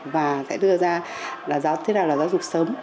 và sẽ đưa ra là giáo thế nào là giáo dục sớm